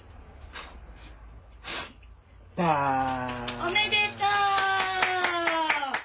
おめでとう！